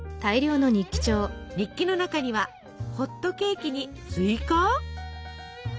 日記の中にはホットケーキにスイカ？